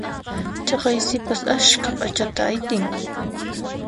Chaqay sipas askha p'achata aytin.